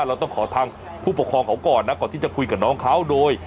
เราต้องขอทางผู้ปกครองเขาก่อนนะก่อนที่จะคุยกับน้องเขาโดย